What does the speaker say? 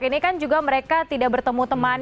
ini kan juga mereka tidak bertemu dengan anak anak